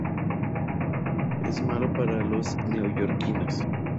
Es malo para los neoyorquinos.